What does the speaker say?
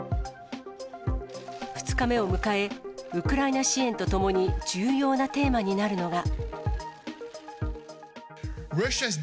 ２日目を迎え、ウクライナ支援とともに、重要なテーマになるのが。